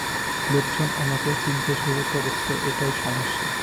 লোকজন আমাকে চিনতে শুরু করেছে এটাই সমস্যা।